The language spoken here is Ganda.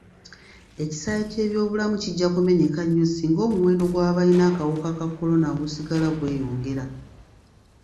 Ekisaawe ky'ebyobulamu kijja kumenyeka nnyo singa omuwendo gw'abalina akawuka ka kolona gusigala gweyongera.